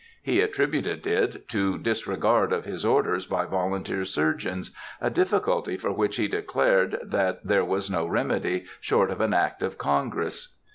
He attributed it to disregard of his orders by volunteer surgeons, a difficulty for which he declared that there was no remedy short of an act of Congress.